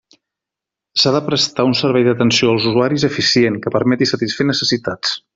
S'ha de prestar un servei d'atenció als usuaris eficient que permeti satisfer necessitats.